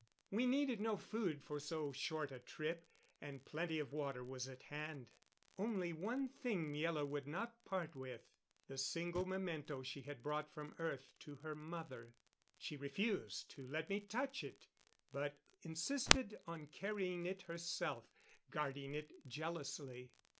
We needed no food for so short a trip, and plenty of water was at hand. Only one thing Miela would not part with the single memento she had brought from earth to her mother. She refused to let me touch it, but insisted on carrying it herself, guarding it jealously.